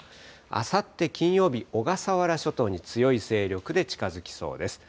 あさって金曜日、小笠原諸島に強い勢力で近づきそうです。